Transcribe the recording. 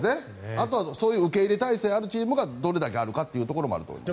あとは、そういう受け入れ態勢があるチームがどれだけあるかっていうところもあると思います。